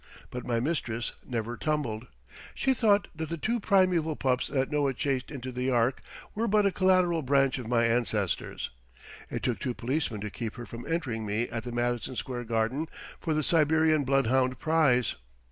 But my mistress never tumbled. She thought that the two primeval pups that Noah chased into the ark were but a collateral branch of my ancestors. It took two policemen to keep her from entering me at the Madison Square Garden for the Siberian bloodhound prize.